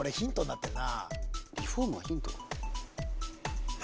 リフォームがヒント？